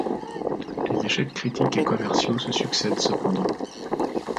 Les échecs critiques et commerciaux se succèdent cependant.